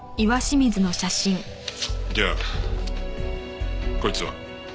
じゃあこいつは？